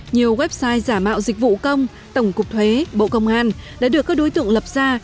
nhiều website giả mạo dịch vụ công tổng cục thuế bộ công an đã được các đối tượng lập ra